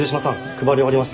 配り終わりました。